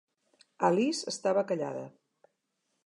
Alice estava callada.